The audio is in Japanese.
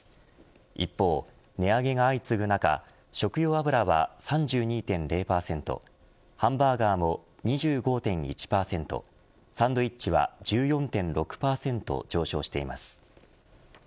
一方、値上げが相次ぐ中食用油は３２．０％ハンバーガーも２５．１％サンドイッチは１４．６％上昇しています。